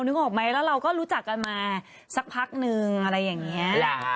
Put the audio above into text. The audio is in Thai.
นึกออกไหมแล้วเราก็รู้จักกันมาสักพักนึงอะไรอย่างนี้